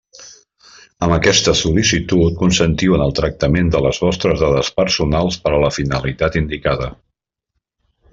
Amb aquesta sol·licitud consentiu en el tractament de les vostres dades personals per a la finalitat indicada.